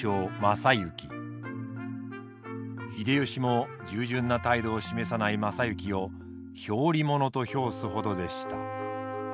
秀吉も従順な態度を示さない昌幸を表裏者と評すほどでした。